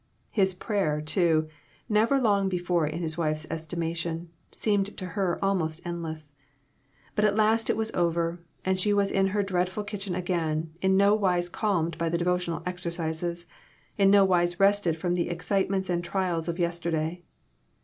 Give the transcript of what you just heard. His prayer, too, never long before in his wife's estimation, seemed to her almost endless. But at last it was over, and she was in her dreadful kitchen again, in no wise calmed by the devotional exercises, in no wise rested from the excitements and trials of yester day.